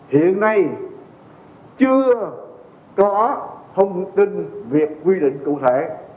hiện nay chưa có thông tin việc quy định cụ thể